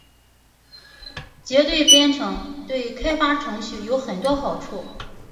结对编程对开发程序有很多好处。